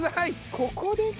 ここでか。